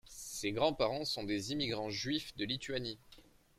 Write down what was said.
Ses grands-parents sont des immigrants juifs de Lituanie.